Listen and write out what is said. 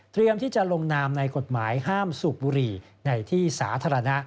ที่จะลงนามในกฎหมายห้ามสูบบุหรี่ในที่สาธารณะ